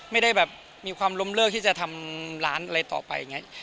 ไม่ได้รมเลิกที่จะทำร้านอะไรต่อไป